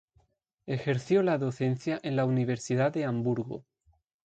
Ejerció la docencia en la Universidad de Hamburgo.